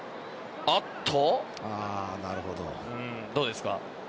どうですか？